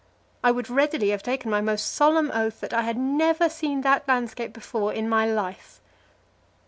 I would readily have taken my most solemn oath that I had never seen that landscape before in my life.